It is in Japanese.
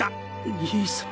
兄さん。